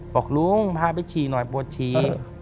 บอกลุงพาไปฉี่หน่อยปวดฉี่